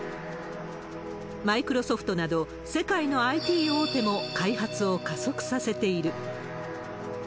マイクロソフトなど世界のＩＴ大手も開発を加速させている。